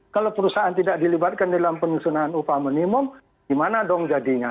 kalau perusahaan tidak dilibatkan dalam penyusunan upah minimum gimana dong jadinya